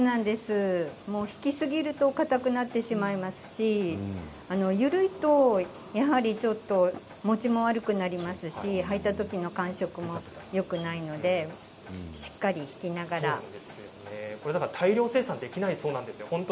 引きすぎるとかたくなってしまいますし緩いと、やはりちょっともちも悪くなりますし履いたときの感触もよくないので大量生産ができないそうなんです。